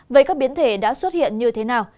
vậy các biến thể đã xuất hiện như thế nào